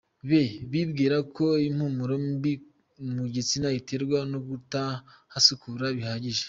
be, bibwira ko impumuro mbi mu gitsina iterwa no kutahasukura bihagije.